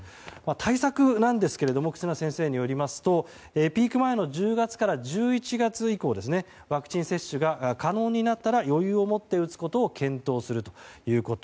対策なんですけれども忽那先生によりますとピーク前の１０月から１１月以降ワクチン接種が可能になったら余裕を持って打つことを検討するということ。